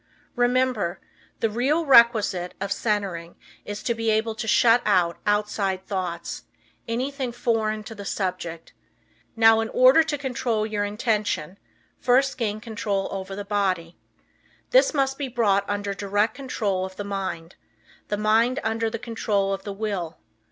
Remember, the real requisite of centering is to be able to shut out outside thoughts anything foreign to the subject. Now, in order to control your intention first gain control over the body. This must be brought under direct control of the mind; the mind under the control of the will.